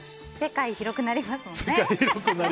世界広くなりますよね。